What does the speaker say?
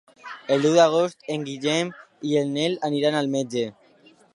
El deu d'agost en Guillem i en Nel aniran al metge.